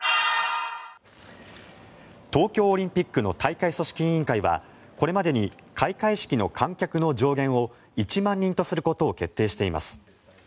東京オリンピックの大会組織委員会はこれまでに開会式の観客の上限を１万人とすることを決定しています。